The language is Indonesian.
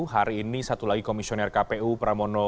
hari ini satu lagi komisioner kpu pramono ubaid tantoro